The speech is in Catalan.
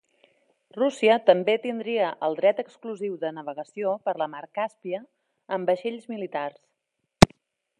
Rússia també tindria el dret exclusiu de navegació per la mar Càspia amb vaixells militars.